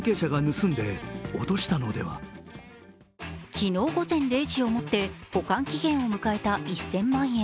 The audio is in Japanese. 昨日午前０時をもって保管期限を迎えた１０００万円。